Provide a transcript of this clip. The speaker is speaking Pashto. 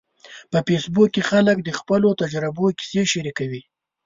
په فېسبوک کې خلک د خپلو تجربو کیسې شریکوي.